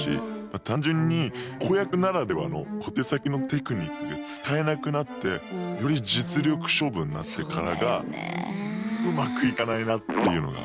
単純に子役ならではの小手先のテクニックが使えなくなってより実力勝負になってからがうまくいかないなっていうのが。